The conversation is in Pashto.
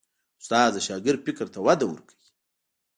استاد د شاګرد فکر ته وده ورکوي.